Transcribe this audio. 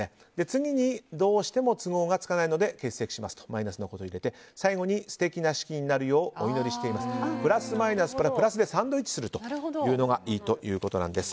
次に、どうしても都合がつかないので欠席しますとマイナスのことを入れて最後に素敵な式になるようお祈りしていますとプラスマイナスプラスでサンドイッチするのがいいということなんです。